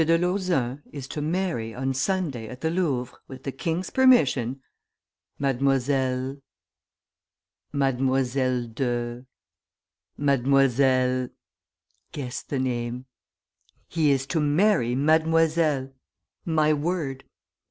de Lauzun is to marry on Sunday at the Louvre, with the king's permission, mademoiselle ... mademoiselle de ... mademoiselle, guess the name ... he is to marry Mademoiselle, my word!